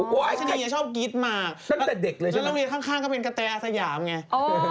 อู๊ยยยยยยยชะนียังชอบกี๊ดหมากแล้วเรียนข้างก็เป็นกระแทอสยามไงโอ้